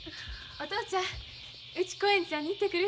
お父ちゃんうち興園寺さんに行ってくる。